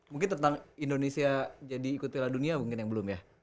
mungkin tentang indonesia jadi ikut piala dunia mungkin yang belum ya